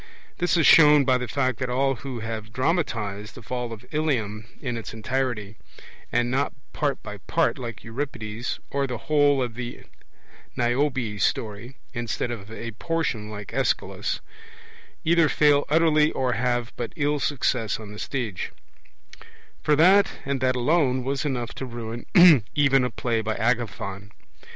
This is shown by the fact that all who have dramatized the fall of Ilium in its entirety, and not part by part, like Euripides, or the whole of the Niobe story, instead of a portion, like Aeschylus, either fail utterly or have but ill success on the stage; for that and that alone was enough to ruin a play by Agathon.